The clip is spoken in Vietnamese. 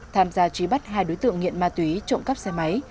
tham gia trí bắt hai đối tượng nghiện ma túy trộm cắp xe máy